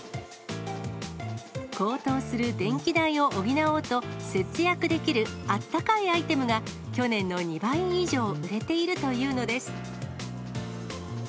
高騰する電気代を補おうと、節約できるあったかいアイテムが、去年の２倍以上売れているというのです。